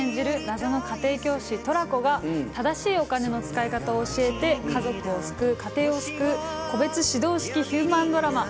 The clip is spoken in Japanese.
謎の家庭教師トラコが正しいお金の使い方を教えて家族を救う家庭を救う個別指導式ヒューマンドラマ